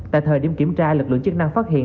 tại thời điểm kiểm tra lực lượng chức năng phát hiện